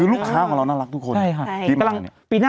คือลูกค้าของเราน่ารักทุกคน